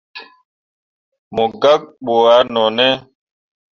Mo gak ɓu ah none.